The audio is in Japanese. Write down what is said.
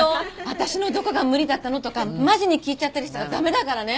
「私のどこが無理だったの？」とかマジに聞いちゃったりしたら駄目だからね。